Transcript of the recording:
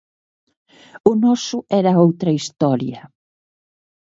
O noso era outra historia.